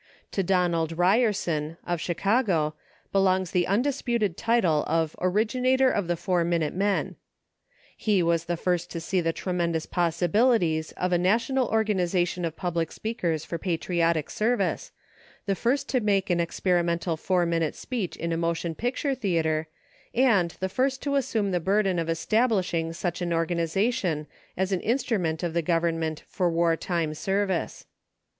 To Donald Ryerson, of Chicago, belongs the un disputed title of Originator of the Four Minute Men. He was the first to see the tremendous possibilities of a national organization of public speakers for patriotic service, the first to make an experimental four minute speech in a motion picture theatre, and the first to assume 9 the burden of establishing such an organization as an instrument of the Government for war time service.